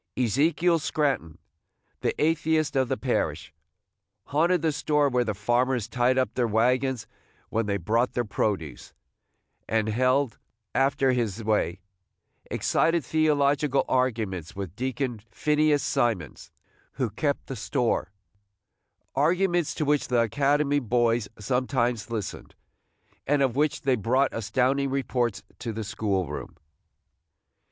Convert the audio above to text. Ezekiel Scranton, the atheist of the parish, haunted the store where the farmers tied up their wagons when they brought their produce, and held, after his way, excited theological arguments with Deacon Phineas Simons, who kept the store, – arguments to which the academy boys sometimes listened, and of which they brought astounding reports to the school room.